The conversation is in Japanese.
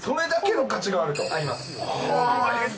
あります。